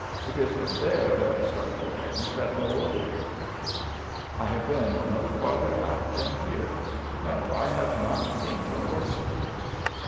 It is from there that I start the winds that blow over your country. I have been no farther out than here. No, I have not seen the horses.'